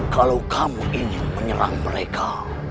kalau kamu ingin menyerang mereka